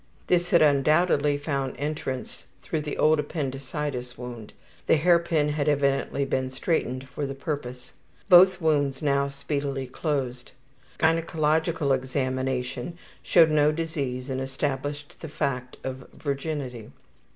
This had undoubtedly found entrance through the old appendicitis wound; the hairpin had evidently been straightened for the purpose. Both wounds now speedily closed. Gynecological examination showed no disease and established the fact of virginity.